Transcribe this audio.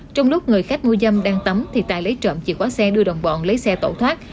trong lúc người khách mua dâm đang tắm thì tài lấy trộm chìa khóa xe đưa đồng bọn lấy xe tẩu thoát